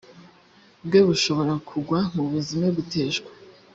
bwe bushobora kugwa mu buzime guteshwa